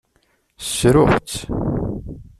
Ssruɣ-tt.